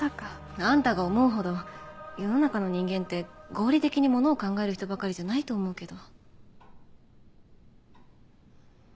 あんたが思うほど世の中の人間って合理的にものを考える人ばかりじゃないと思うけど。